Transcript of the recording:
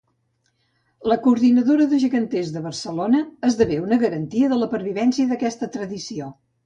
La Coordinadora de Geganters de Barcelona esdevé una garantia de la pervivència d’aquesta tradició.